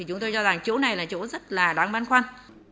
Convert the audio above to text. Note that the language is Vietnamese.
chúng tôi cho rằng chỗ này là chỗ rất là đoán bán khoan